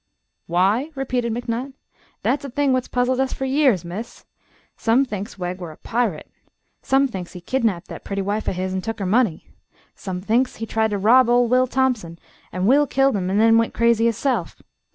"Why?" repeated McNutt. "Thet's a thing what's puzzled us fer years, miss. Some thinks Wegg were a piret; some thinks he kidnaped thet pretty wife o' his'n an' took her money; some thinks he tried to rob ol' Will Thompson, an' Will killed him an' then went crazy hisself.